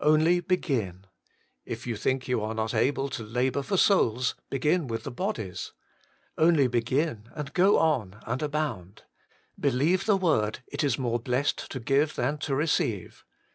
Only begin. If you think you are not able to labour for souls, begin with the bodies. Only begin, and go on, and abound. Be lieve the word, It is more blessed to give than to leceive.